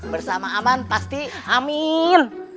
bersama aman pasti amin